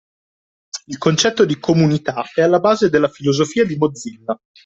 Il concetto di “comunità” è alla base della filosofia di Mozilla.